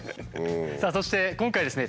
さあそして今回ですね